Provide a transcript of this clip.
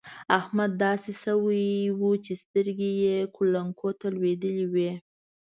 احمد داسې شوی وو چې سترګې يې کولکو ته لوېدلې وې.